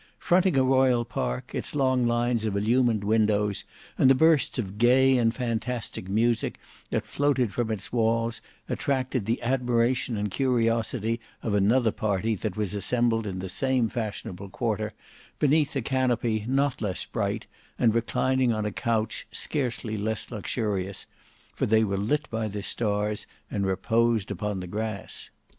Fronting a royal park, its long lines of illumined windows and the bursts of gay and fantastic music that floated from its walls attracted the admiration and curiosity of another party that was assembled in the same fashionable quarter, beneath a canopy not less bright and reclining on a couch scarcely less luxurious, for they were lit by the stars and reposed upon the grass.